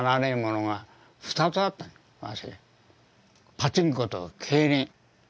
パチンコと競輪。